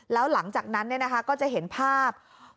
แล้วหลังจากนั้นเนี่ยนะคะก็จะเห็นภาพ